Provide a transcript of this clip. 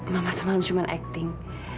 mama semalam cuma acting